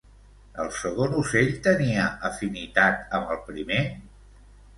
El segon ocell tenia afinitat amb el primer?